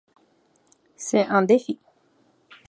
C’est un défi.